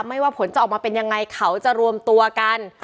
ไม่ว่าผลจะออกมาเป็นยังไงเขาจะรวมตัวกัน